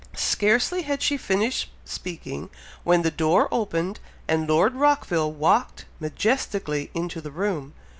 Scarcely had she finished speaking, when the door opened and Lord Rockville walked majestically into the room.